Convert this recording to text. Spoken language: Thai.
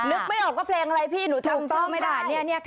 นึกไม่ออกว่าเพลงอะไรพี่หนูทำต่อไม่ได้